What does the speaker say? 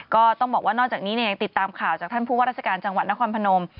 ก็ต้องบอกว่านอกจากนี้ยังติดตามข่าวจากท่านผู้ว่าราชการจังหวัดนครพนม